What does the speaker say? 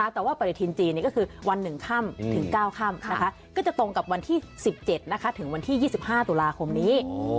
แต่ว่าปฏิทินจีนก็คือวัน๑ค่ำถึง๙ค่ำก็จะตรงกับวันที่๑๗ถึงวันที่๒๕ตุลาคมนี้